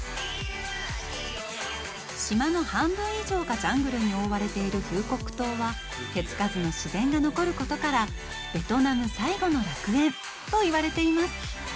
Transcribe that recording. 島の半分以上が、ジャングルに覆われているフーコック島は手つかずの自然が残ることからベトナム最後の楽園と言われています。